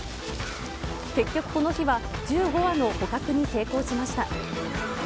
結局、この日は１５羽の捕獲に成功しました。